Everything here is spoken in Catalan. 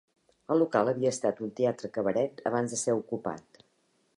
El local havia estat un teatre-cabaret abans de ser ocupat